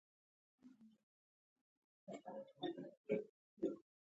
دوکاندارې وویل: بل څه خو نه غواړئ؟ نه، زموږ همدې شیانو ته اړتیا وه.